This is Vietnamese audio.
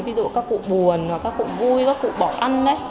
ví dụ như là các cụ buồn các cụ vui các cụ bỏ ăn